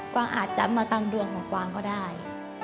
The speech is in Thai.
วางอาจจะมาตามดวงของกวางก็ได้